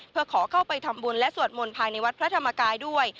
เพื่อขอเข้าไปทำบุญและสวดมนต์ภายในวัดพระธรรมกายด้วย